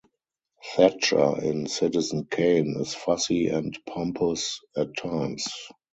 Thatcher in "Citizen Kane" is fussy and pompous at times.